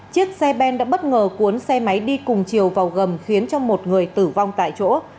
chiếc xe ben đã bất ngờ cuốn xe máy đi cùng chiều vào gầm khiến cho một người tử vong tại chỗ